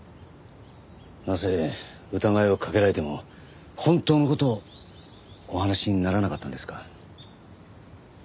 なぜ疑いをかけられても本当の事をお話しにならなかったんですか？